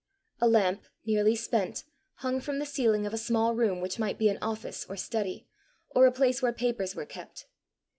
A lamp, nearly spent, hung from the ceiling of a small room which might be an office or study, or a place where papers were kept.